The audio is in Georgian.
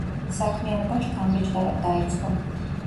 საქმიანობა შთამბეჭდავად დაიწყო.